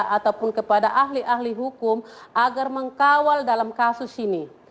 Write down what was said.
ataupun kepada ahli ahli hukum agar mengkawal dalam kasus ini